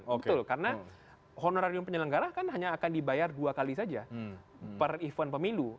betul karena honorarium penyelenggara kan hanya akan dibayar dua kali saja per event pemilu